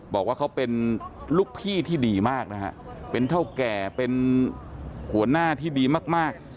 บอกว่าเขาเป็นลูกพี่ที่ดีมากนะฮะเป็นเท่าแก่เป็นหัวหน้าที่ดีมาก